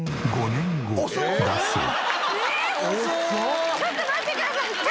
５年後ね。